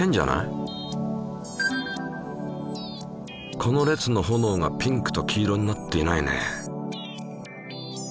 この列の炎がピンクと黄色になっていないね。